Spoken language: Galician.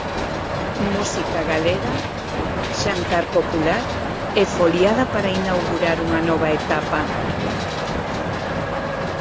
Música galega, xantar popular e foliada para inaugurar unha nova etapa.